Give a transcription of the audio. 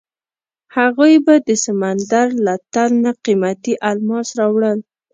هغوی به د سمندر له تل نه قیمتي الماس راوړل.